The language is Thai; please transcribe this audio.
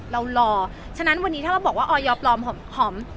เรารอฉะนั้นวันนี้ถ้ามาบอกว่าออยอร์ปลอมหอมหอม